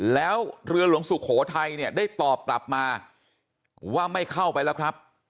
แล้วเรือหลวงสุโขทัยเนี่ยได้ตอบกลับมาว่าไม่เข้าไปแล้วครับ